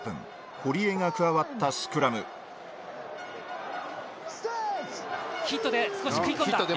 堀江が加わったスクラムヒットで少し食い込んだ。